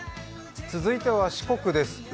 続いては四国です。